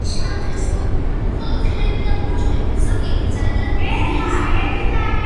შიშველთესლოვნები მხოლოდ ხეები ან ბუჩქებია, ზოგიერთი ძალიან დიდი იზრდება.